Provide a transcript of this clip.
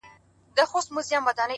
زه دې د سترگو په سکروټو باندې وسوځلم!!